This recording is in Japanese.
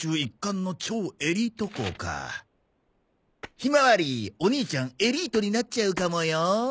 ひまわりお兄ちゃんエリートになっちゃうかもよ？